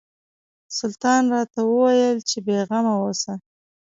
سلطان راته وویل چې بېغمه اوسه.